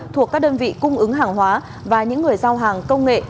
thuộc các đơn vị cung ứng hàng hóa và những người giao hàng công nghệ